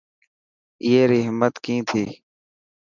اي ري همت ڪئي ٿي.